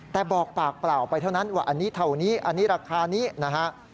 แต่บอกปากเปล่าไปเท่านั้นว่าอันนี้เท่านี้อันนี้ราคานี้นะฮะ